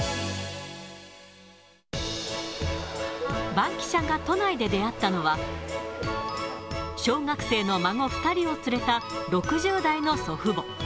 バンキシャが都内で出会ったのは、小学生の孫２人を連れた６０代の祖父母。